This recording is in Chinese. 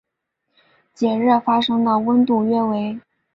热解发生的温度约为。